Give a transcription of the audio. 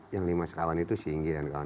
yang lima sekawan itu si ingy dan kawan kawan